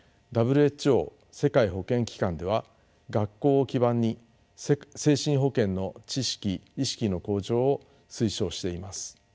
ＷＨＯ世界保健機関では学校を基盤に精神保健の知識意識の向上を推奨しています。